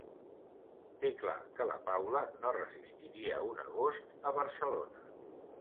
Té clar que la Paula no resistiria un agost a Barcelona.